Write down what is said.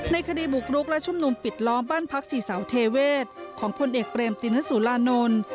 คดีบุกรุกและชุมนุมปิดล้อมบ้านพักศรีเสาเทเวศของพลเอกเปรมตินสุรานนท์